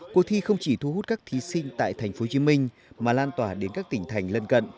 cuộc thi không chỉ thu hút các thí sinh tại tp hcm mà lan tỏa đến các tỉnh thành lân cận